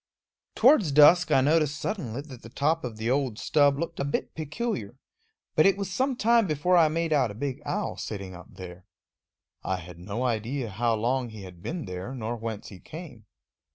Towards dusk I noticed suddenly that the top of the old stub looked a bit peculiar, but it was some time before I made out a big owl sitting up there. I had no idea how long he had been there, nor whence he came.